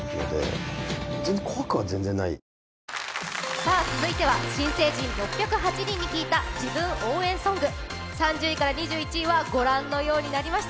さぁ続いては新成人６０８人に聞いたた自分応援ソング３０位から２１位はご覧のようになりました。